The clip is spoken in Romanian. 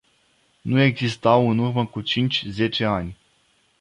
Nu existau în urmă cu cinci-zece ani.